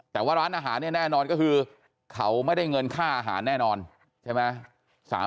แต่ว่าร้านอาหารเนี่ยแน่นอนก็คือเขาไม่ได้เงินค่าอาหารแน่นอนใช่ไหม